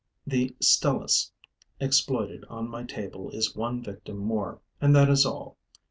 The Stelis exploited on my table is one victim more; and that is all.